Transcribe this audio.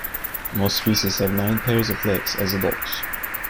Most species have nine pairs of legs as adults.